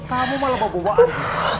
kamu malah bawa buah andin